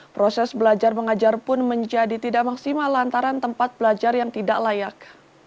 proses belajar mengajar pun menjadi tidak maksimal lantaran tempat belajar yang tidak layak